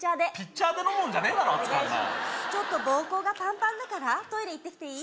ちょっと膀胱がパンパンだからトイレ行ってきていい？